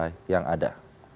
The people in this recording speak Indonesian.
dan ratusan gerai yang ada